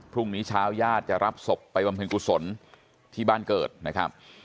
พรุ่งนี้เช้าญาติจะรับศพไปบำเพ็ญกุศลที่บ้านเกิดนะครับ